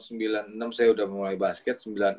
saya udah mulai basket sembilan puluh enam